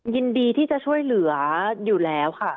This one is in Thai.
ยินดีที่จะช่วยเหลืออยู่แล้วค่ะ